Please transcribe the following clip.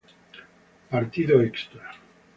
Partido extra